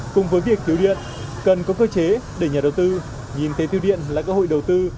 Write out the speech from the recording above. cùng với việc thiếu điện cần có cơ chế để nhà đầu tư nhìn thấy tiêu điện là cơ hội đầu tư